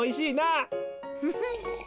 フフッ。